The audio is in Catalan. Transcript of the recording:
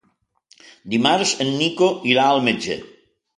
Dimarts en Nico irà al metge.